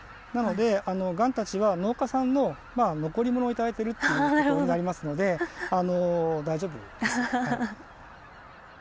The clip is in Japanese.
なのでガンたちは農家さんの残り物を頂いてるっていうことになりますので大丈夫です。